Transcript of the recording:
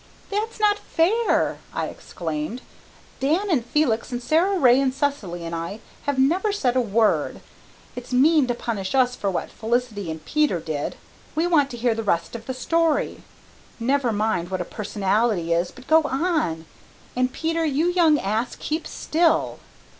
"That's not fair," I exclaimed. "Dan and Felix and Sara Ray and Cecily and I have never said a word. It's mean to punish us for what Peter and Felicity did. We want to hear the rest of the story. Never mind what a personality is but go on and, Peter, you young ass, keep still."